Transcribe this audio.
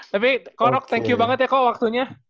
tapi kok thank you banget ya kok waktunya